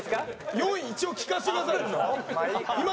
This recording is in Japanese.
４位一応聞かせてくださいよ。